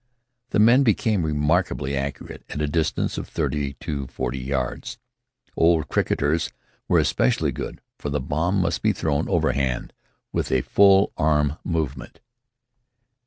The men became remarkably accurate at a distance of thirty to forty yards. Old cricketers were especially good, for the bomb must be thrown overhand, with a full arm movement.